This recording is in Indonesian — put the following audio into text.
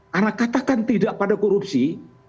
karena katakan tidak pada korupsi